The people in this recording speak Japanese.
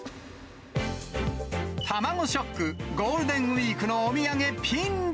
卵ショック、ゴールデンウィークのお土産ピンチ。